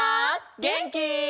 げんき？